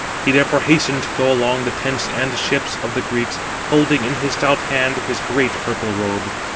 He therefore hastened to go along the tents and ships of the Greeks, holding in his stout hand his great purple robe.